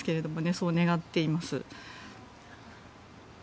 そう願っています。